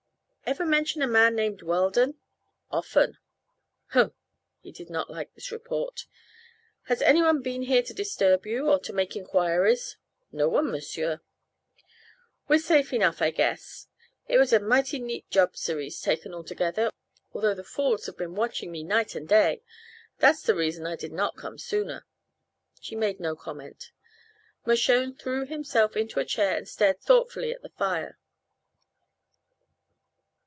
"Ever mention a man named Weldon?" "Often." "Humph!" He did not like this report. "Has anyone been here to disturb you, or to make enquiries?" "No one, m'sieur." "We're safe enough, I guess. It was a mighty neat job, Cerise, taken altogether, although the fools have been watching me night and day. That's the reason I did not come sooner." She made no comment. Mershone threw himself into a chair and stared thoughtfully at the fire.